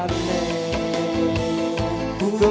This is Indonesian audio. rapi ruang dia